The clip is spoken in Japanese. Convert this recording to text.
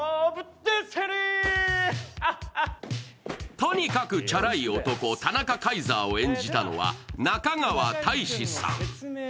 とにかくチャラい男、田中皇帝を演じたのは中川大志さん。